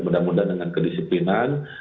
mudah mudahan dengan kedisiplinan